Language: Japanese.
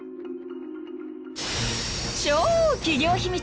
［超企業秘密。